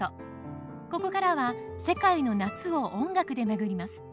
ここからは世界の夏を音楽で巡ります。